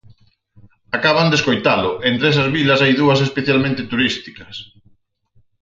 Acaban de escoitalo, entre esas vilas hai dúas especialmente turísticas.